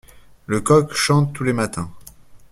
Le coq chante tous les matins.